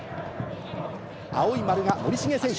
青い丸が森重選手。